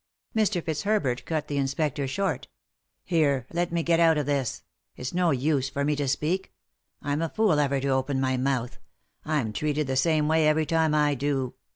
Mr. Fitzherbert cut the inspector short " Here ] let me get out of this ! If s no use for me to speak ; I'm a fool ever to open my mouth — I'm treated the same way every time I do.